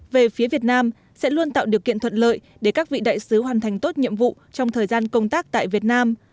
về phía việt nam sẽ luôn tạo điều kiện thuận lợi để các vị đại sứ hoàn thành tốt nhiệm vụ trong thời gian công tác tại việt nam